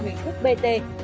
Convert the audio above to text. theo hình thức bt